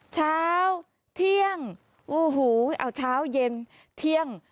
เช้าเที่ยงโอ้โหเอาเช้าเย็นเที่ยง